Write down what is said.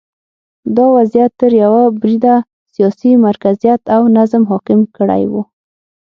دا وضعیت تر یوه بریده سیاسي مرکزیت او نظم حاکم کړی و